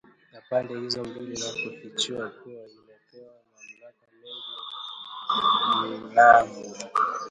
ya pande hizo mbili na kufichua kuwa imepewa mamlaka mengi mnamo